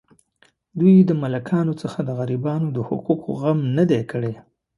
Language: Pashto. دوی د ملاکانو څخه د غریبانو د حقوقو غم نه دی کړی.